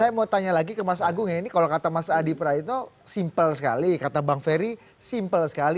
saya mau tanya lagi ke mas agung ya ini kalau kata mas adi praetno simpel sekali kata bang ferry simpel sekali